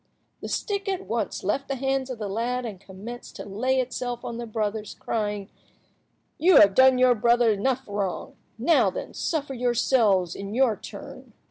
The stick at once left the hands of the lad and commenced to lay itself on the brothers, crying— "You have done your brother enough wrong. Now, then, suffer yourselves in your turn."